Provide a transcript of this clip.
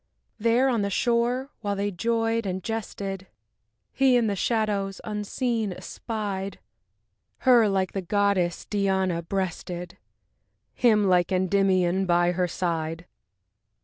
There on the shore, while they joyed and jested, He in the shadows, unseen, espied Her, like the goddess Diana breasted, Him, like Endymion by her side.